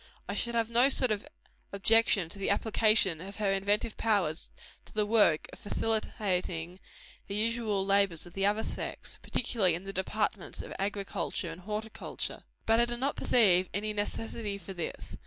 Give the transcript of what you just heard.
I should have no sort of objection to the application of her inventive powers to the work of facilitating the usual labors of the other sex particularly in the departments of agriculture and horticulture. But I do not perceive any necessity for this.